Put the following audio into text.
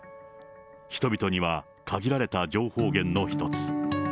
人々には限られた情報源の一つ。